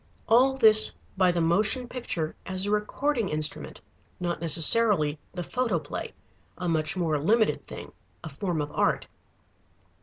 All this by the motion picture as a recording instrument, not necessarily the photoplay, a much more limited thing, a form of art.